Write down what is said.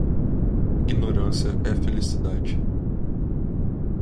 Ignorância é felicidade.